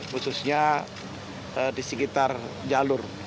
khususnya di sekitar jalur